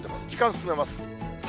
時間進めます。